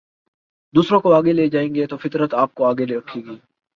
دوسروں کو آگے لے جائیں گے تو فطرت آپ کو آگے رکھے گی